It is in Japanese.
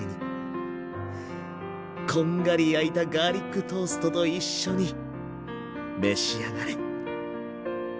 こんがり焼いたガーリックトーストと一緒に召し上がれ。